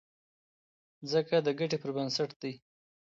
ځکه د ګټې پر بنسټ دی.